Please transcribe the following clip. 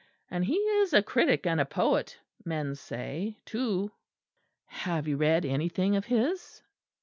And he is a critic and a poet, men say, too." "Have you read anything of his?"